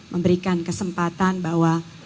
memberikan kesempatan bahwa